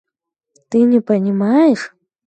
Ты не понимаешь.